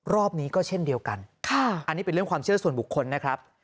รอบนี้ก็เช่นเดียวกันอันนี้เป็นเรื่องความเชื่อส่วนบุคคลนะครับ